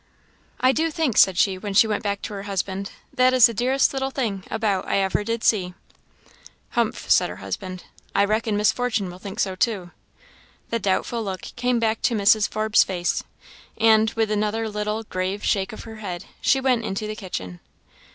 "I do think," said she, when she went back to her husband, "that is the dearest little thing, about, I ever did see." "Humph!" said her husband, "I reckon Miss Fortune will think so too." The doubtful look came back to Mrs. Forbes' face, and, with another little, grave shake of her head, she went into the kitchen.